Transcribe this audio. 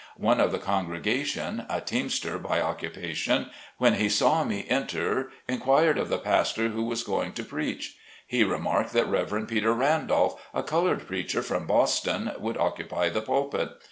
One of the congregation, a teamster by occupation, 46 SLAVE CABIN TO PULPIT. when he saw me enter inquired of the pastor who was going to preach. He remarked that Rev. Peter Randolph, a colored preacher from Boston, would occupy the pulpit.